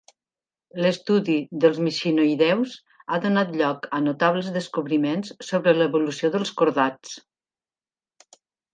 L'estudi dels mixinoïdeus ha donat lloc a notables descobriments sobre l'evolució dels cordats.